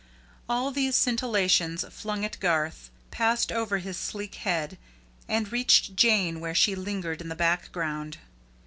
All these scintillations, flung at Garth, passed over his sleek head and reached Jane where she lingered in the background.